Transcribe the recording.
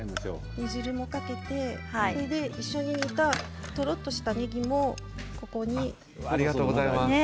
煮汁もかけて一緒に煮たとろっとしたねぎも、ここに。